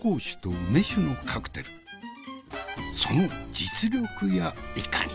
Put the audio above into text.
その実力やいかに。